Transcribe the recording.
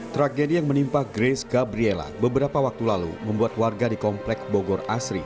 tragedi yang menimpa grace gabriela beberapa waktu lalu membuat warga di komplek bogor asri